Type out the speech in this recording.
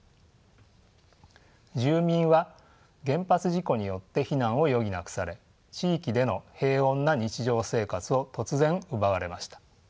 住民は原発事故によって避難を余儀なくされ地域での平穏な日常生活を突然奪われました。